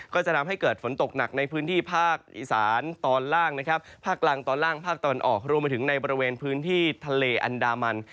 ก็จะทำให้เกิดฝนตกหนักในพื้นที่ภาคอีสานตอนล่างนะครับภาคกลางตอนล่างภาคตะวันออกรวมไปถึงในบริเวณพื้นที่ทะเลอันดามัน